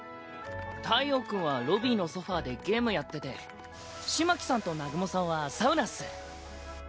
太陽君はロビーのソファーでゲームやってて風巻さんと南雲さんはサウナっす。